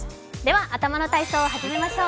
頭の体操を始めましょう。